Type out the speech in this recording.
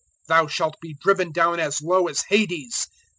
Thou shalt be driven down as low as Hades.